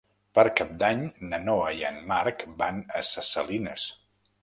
Per Cap d'Any na Noa i en Marc van a Ses Salines.